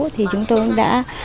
thì chúng tôi đã